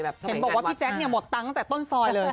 เห็นบอกว่าพี่แจ๊คหมดตังค์ตั้งแต่ต้นซอยเลย